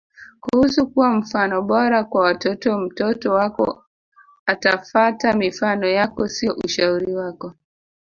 Kuhusu kuwa mfano bora kwa watoto Mtoto wako atafata mifano yako sio ushauri wako